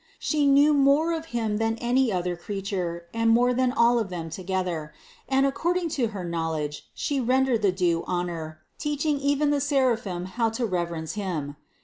She knew more of Him than any other creature and more than all of them together ; and ac cording to her knowledge She rendered due honor, teach ing even the Seraphim how to reverence Him.